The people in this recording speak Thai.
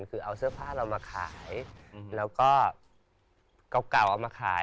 คือเอาเสื้อผ้าเรามาขาย